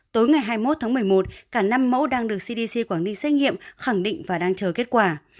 tối ngày hai mươi một tháng một mươi một cả năm mẫu đang được cdc quảng ninh xét nghiệm khẳng định và đang chờ kết quả